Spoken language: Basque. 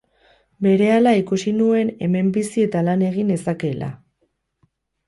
Berehala ikusi nuen hemen bizi eta lan egin nezakeela.